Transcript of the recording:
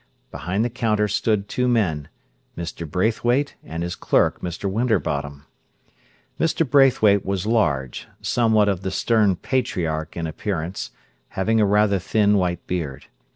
Behind the counter stood two men—Mr. Braithwaite and his clerk, Mr. Winterbottom. Mr. Braithwaite was large, somewhat of the stern patriarch in appearance, having a rather thin white beard.